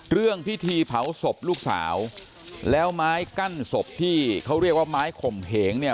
เรื่องพิธีเผาศพลูกสาวแล้วไม้กั้นศพที่เขาเรียกว่าไม้ข่มเหงเนี่ย